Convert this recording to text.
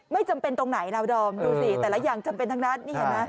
ไม่จำเป็นตรงไหนนะดอมดูสิแต่ละอย่างจำเป็นทั้งนั้นนี่เห็นไหม